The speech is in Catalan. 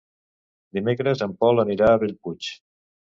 Dimecres en Pol anirà a Bellpuig.